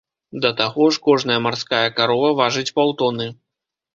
Да таго ж, кожная марская карова важыць паўтоны.